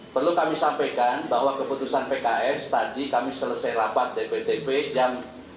perlu kami sampaikan bahwa keputusan pks tadi kami selesai rapat dpp dp jam empat belas tiga puluh